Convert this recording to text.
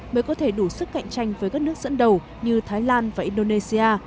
mới có thể đủ sức cạnh tranh với các nước dẫn đầu như thái lan và indonesia